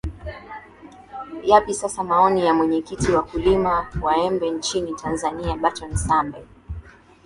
yapi sasa maoni ya mwenyekiti wa kulima wa embe nchini tanzania button sambe